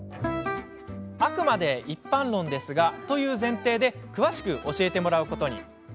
あくまで一般論ですがという前提で詳しく教えてもらうことに。